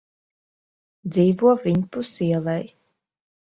Dzīvo viņpus ielai.